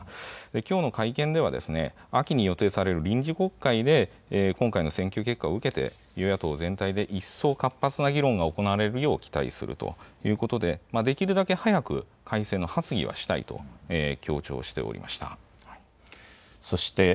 きょうの会見では秋に予定される臨時国会で今回の選挙結果を受けて与野党全体で一層活発な議論が行われるよう期待するということでできるだけ早く改選の発議はしたいと強調しておりました。